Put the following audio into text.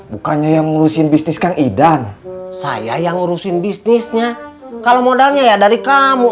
bukannya yang ngurusin bisnis kang idam saya yang ngurusin bisnisnya kalau modalnya ya dari kamu